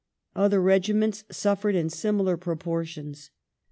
Other regiments suffered in similar proportions.